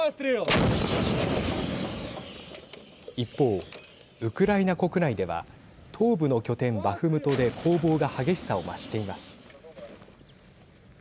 一方、ウクライナ国内では東部の拠点バフムトで攻防が激しさを増しています。